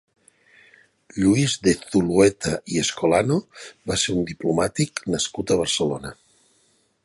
Lluís de Zulueta i Escolano va ser un diplomàtic nascut a Barcelona.